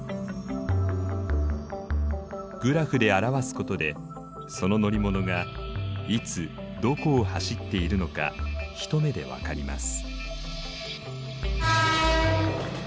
グラフで表すことでその乗り物がいつどこを走っているのか一目でわかります。